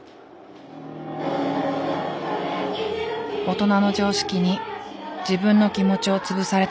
「大人の常識に自分の気持ちを潰されたくない」。